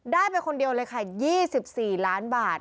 ได้ไปคนเดียวเลยค่ะ๒๔ล้านบาท